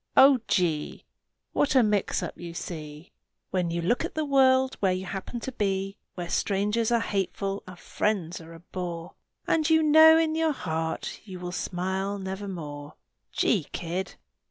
Oh, gee! What a mix up you see When you look at the world where you happen to be! Where strangers are hateful and friends are a bore, And you know in your heart you will smile nevermore! Gee, kid!